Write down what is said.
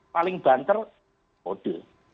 paling banter kode